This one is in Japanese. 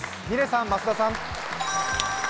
嶺さん、増田さん。